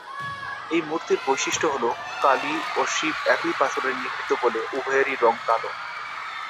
এই মূর্তির বৈশিষ্ট্য হল, কালী ও শিব একই পাথরে নির্মিত বলে উভয়েরই রং কালো।